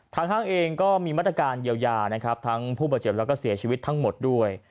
ห้างเองก็มีมาตรการเยียวยานะครับทั้งผู้บาดเจ็บแล้วก็เสียชีวิตทั้งหมดด้วย